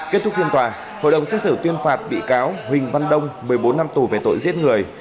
kết thúc phiên tòa hội đồng xét xử tuyên phạt bị cáo huỳnh văn đông một mươi bốn năm tù về tội giết người